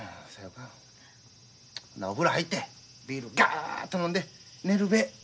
ほなお風呂入ってビールガッと飲んで寝るべ。